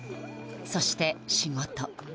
そして、仕事。